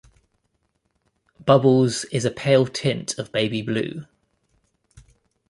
Bubbles is a pale tint of baby blue.